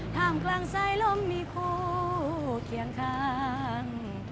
ท่ามกลางสายลมมีคู่เคียงข้าง